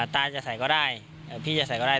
ตาจะใส่ก็ได้พี่จะใส่ก็ได้